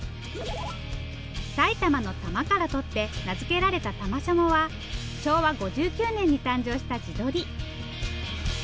埼玉の「玉」から取って名付けられたタマシャモは昭和５９年に誕生した地鶏。